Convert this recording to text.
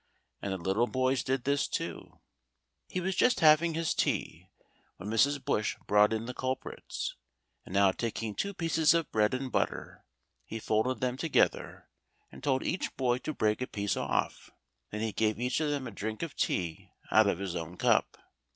And the little boys did this too. He was just having his tea when Mrs. Bush brought in the culprits, and now taking two pieces of bread and butter, he folded them together and told each boy to break a piece off. Then he gave each of them a drink of tea out of his own cup.